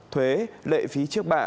thuế lệ phí trước bạ